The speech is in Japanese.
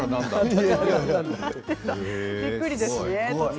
びっくりですね。